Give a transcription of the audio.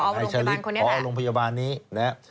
นายฉลิดพอโรงพยาบาลคนนี้